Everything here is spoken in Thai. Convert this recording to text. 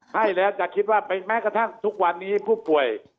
ให้แล้วจะคิดแล้วไปแม้ทุกวันนี้ผู้ป่วย